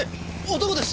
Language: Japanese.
男です。